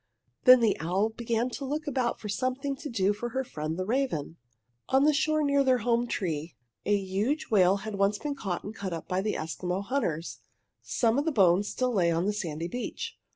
Then the owl began to look about for something to do for her friend the raven. On the shore near their home tree a huge whale had once been caught and cut up by the Eskimo hunters. Some of the bones still lay upon the sandy beach.